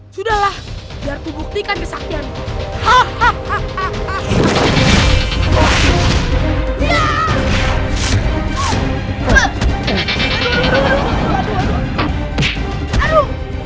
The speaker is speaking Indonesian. sudahlah biar kubuktikan kesakianmu